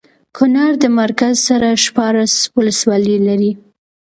کونړ د مرکز سره شپاړس ولسوالۍ لري